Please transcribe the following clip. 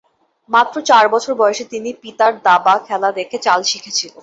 মাত্র চার বছর বয়সে তিনি পিতার দাবা খেলা দেখে চাল শিখেছিলেন।